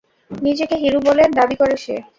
নিজেকে হিরো বলে দাবি করে সে?